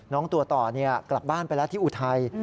ตัวต่อกลับบ้านไปแล้วที่อุทัย